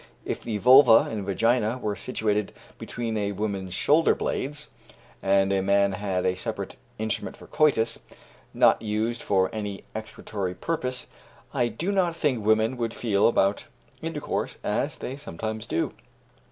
If the vulva and vagina were situated between a woman's shoulder blades, and a man had a separate instrument for coitus, not used for any excretory purpose, I do not think women would feel about intercourse as they sometimes do.